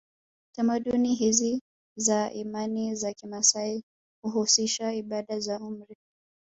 Tamaduni hizi za imani za kimaasai huhusisha ibada za umri